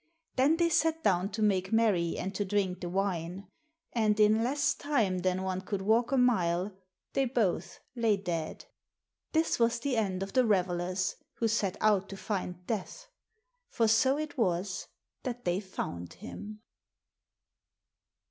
Then they sat down to make merry and to drink the wine ; and in less time than one could walk a mile they both lay dead. This was the end of the revelers who set out to find Death, for so it was that they found him.